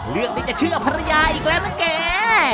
เลือกที่จะเชื่อภรรยาอีกแล้วนะแก